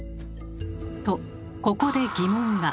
とここで疑問が。